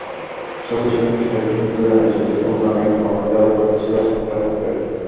ছবিসংশ্লিষ্ট একটি সূত্র জানিয়েছে, দুটো গানে কণ্ঠ দেওয়ার কথা ছিল শ্রদ্ধা কাপুরের।